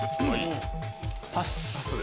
パス。